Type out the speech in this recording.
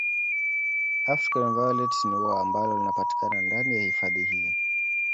African violet ni ua ambalo linapatikana ndani ya hifadhi hii